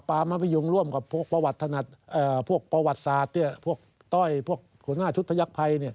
จึงร่วมกับพวกประวัติศาสตร์เนี่ยพวกต้อยพวกหัวหน้าชุดพระยักษ์ภัยเนี่ย